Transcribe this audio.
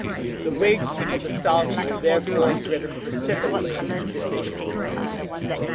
The Whigs of the South were therefore driven precipitately to division.